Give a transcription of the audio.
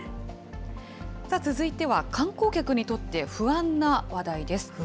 続いては観光客にとって不安な話題です。